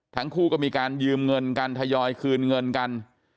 ทั้งคู่ก็มีการยืมเงินกันทยอยคืนเงินกัน